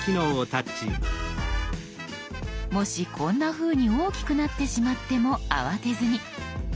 もしこんなふうに大きくなってしまっても慌てずに。